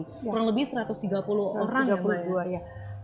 kurang lebih satu ratus tiga puluh orang ya